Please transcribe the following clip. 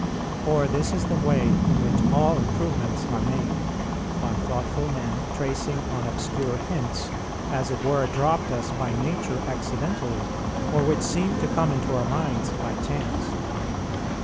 For this is the way in which all improvements are made, by thoughtful men tracing on obscure hints, as it were, dropped us by nature accidentally, or which seem to come into our minds by chance.